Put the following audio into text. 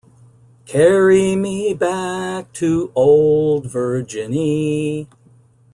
Carry me back to old Virginny.